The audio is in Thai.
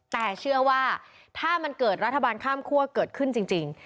แต่เชื่อว่าถ้ามันเกิดรัฐบาลข้ามคั่วเกิดขึ้นจริง